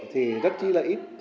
thì rất chí là ít